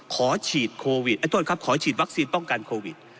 ขอฉีดโควิดไอ้โทษครับขอฉีดวัคซีนป้องกันโควิด